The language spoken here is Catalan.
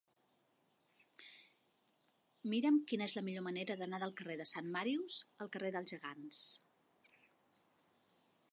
Mira'm quina és la millor manera d'anar del carrer de Sant Màrius al carrer dels Gegants.